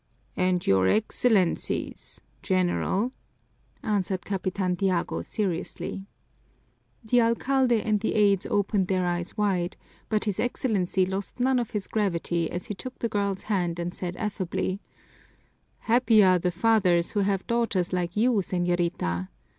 "And your Excellency's, General," answered Capitan Tiago seriously. The alcalde and the aides opened their eyes wide, but his Excellency lost none of his gravity as he took the girl's hand and said affably, "Happy are the fathers who have daughters like you, señorita!